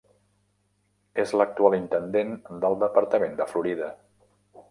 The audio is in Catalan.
És l'actual intendent del departament de Florida.